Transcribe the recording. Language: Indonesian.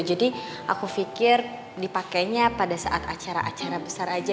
jadi aku pikir dipakenya pada saat acara acara besar aja